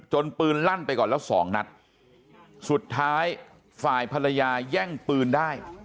ปืนลั่นไปก่อนแล้วสองนัดสุดท้ายฝ่ายภรรยาแย่งปืนได้